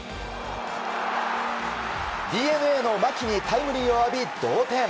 ＤｅＮＡの牧にタイムリーを浴び、同点。